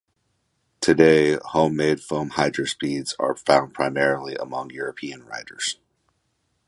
Today, homemade foam hydrospeeds are found primarily among European riders.